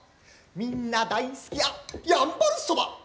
みんな大好きやんばるそば！